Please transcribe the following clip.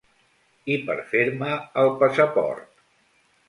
I per fer-me el passaport.